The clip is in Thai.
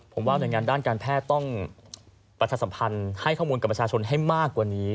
ผมว่าหน่วยงานด้านการแพทย์ต้องประชาสัมพันธ์ให้ข้อมูลกับประชาชนให้มากกว่านี้